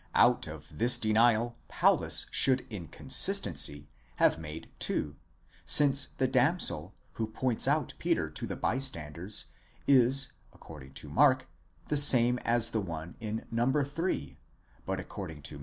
Out of this denial Paulus should in consistency have made two, since the damsel, who points out Peter to the bystanders, is according to Mark the same as the one in No. 3, but according to.